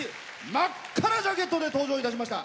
真っ赤なジャケットで登場いたしました。